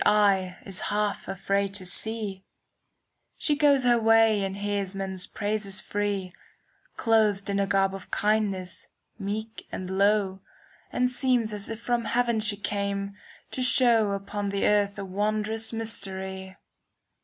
Now his words take a 54 CANZONIERE She goes her way and hears men's praises free, * Clothed in a garb of kindness, meek and low, And seems as if from heaven she came, to show Upon the earth a wondrous mystery.